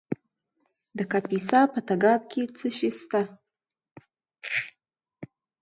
د کاپیسا په تګاب کې څه شی شته؟